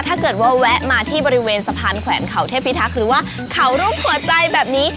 ถ้าเกิดว่าแวะมาที่บริเวณสะพานแขวนเขาเทพิทักรูปหัวใจแบบนี้